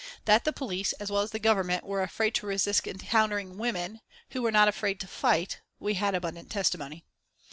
That the police, as well as the Government were afraid to risk encountering women who were not afraid to fight we had had abundant testimony.